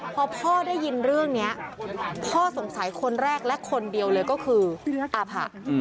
พอพ่อได้ยินเรื่องนี้พ่อสงสัยคนแรกและคนเดียวเลยก็คืออาผะ